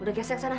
udah gesek sana